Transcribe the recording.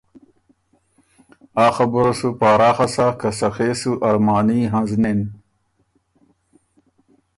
اخبُره سُو پاراخه سَۀ که سخے سو ارماني هںزنِن۔